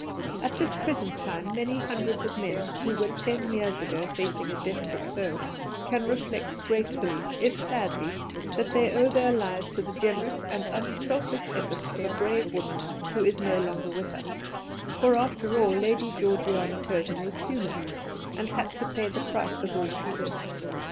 At this present time many hundreds of men, who were ten years ago facing a desperate foe, can reflect gratefully, if sadly, that they owe their lives to the generous and unselfish efforts of a brave woman who is no longer with us; for, after all, Lady Georgiana Curzon was human, and had to pay the price of all she did.